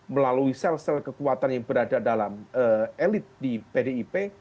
melalui sel sel kekuatan yang berada dalam elit di pdip